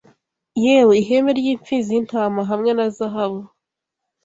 yewe ihembe ry'impfizi y'intama hamwe na zahabu